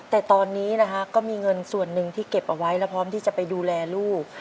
แต่ตอนนี้นะฮะก็มีเงินส่วนหนึ่งที่เก็บเอาไว้แล้วพร้อมที่จะไปดูแลลูก